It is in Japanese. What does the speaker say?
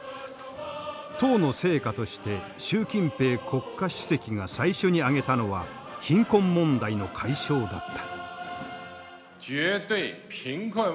党の成果として習近平国家主席が最初に挙げたのは貧困問題の解消だった。